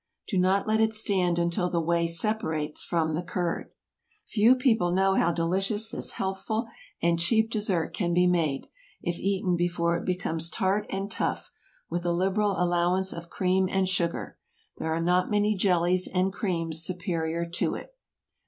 Do not let it stand until the whey separates from the curd. Few people know how delicious this healthful and cheap dessert can be made, if eaten before it becomes tart and tough, with a liberal allowance of cream and sugar. There are not many jellies and creams superior to it.